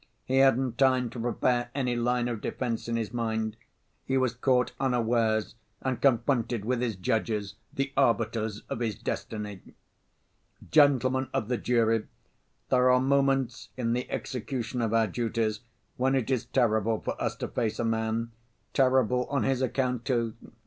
He hadn't time to prepare any line of defense in his mind. He was caught unawares and confronted with his judges, the arbiters of his destiny. "Gentlemen of the jury, there are moments in the execution of our duties when it is terrible for us to face a man, terrible on his account, too!